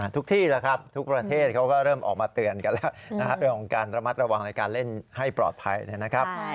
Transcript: ที่แล้วครับทุกประเทศเขาก็เริ่มออกมาเตือนกันแล้วเรื่องของการระมัดระวังในการเล่นให้ปลอดภัยนะครับ